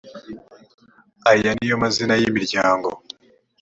aya ni yo mazina y’ imiryango.